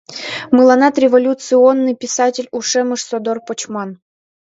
Мыланнат революционный писатель ушемым содор почман.